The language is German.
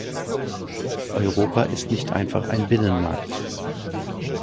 Europa ist nicht einfach ein Binnenmarkt.